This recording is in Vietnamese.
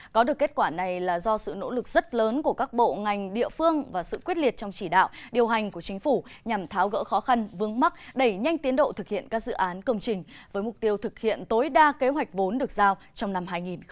có được kết quả này là do sự nỗ lực rất lớn của các bộ ngành địa phương và sự quyết liệt trong chỉ đạo điều hành của chính phủ nhằm tháo gỡ khó khăn vướng mắt đẩy nhanh tiến độ thực hiện các dự án công trình với mục tiêu thực hiện tối đa kế hoạch vốn được giao trong năm hai nghìn hai mươi